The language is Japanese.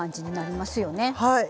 はい。